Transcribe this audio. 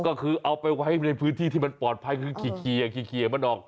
ก็คือเอาไปไว้ในพื้นที่ที่มันปลอดภัยคือเคลียร์มันออก